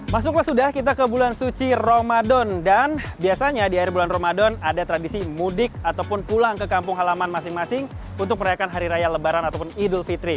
masuklah sudah kita ke bulan suci ramadan dan biasanya di akhir bulan ramadan ada tradisi mudik ataupun pulang ke kampung halaman masing masing untuk merayakan hari raya lebaran ataupun idul fitri